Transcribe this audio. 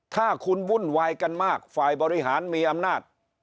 ถ้าคุณวุ่นวายกันมากฝ่ายบริหารมีอำนาจ